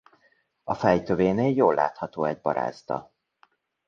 A fej tövénél jól látható egy barázda.